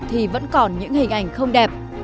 thì vẫn còn những hình ảnh không đẹp